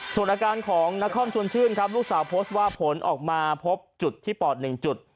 ส่วนอาการของนครชวนชื่นครับลูกสาวโพสต์ว่าผลออกมาพบจุดที่ปอด๑จุด